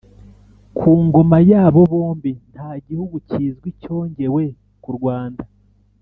ku ngoma yabo bombi nta gihugu kizwi cyongewe ku rwanda